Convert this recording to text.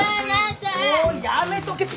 おいやめとけって。